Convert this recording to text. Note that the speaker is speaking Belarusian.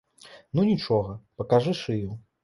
Ну, нічога, пакажы шыю.